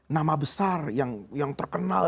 nama besar yang terkenal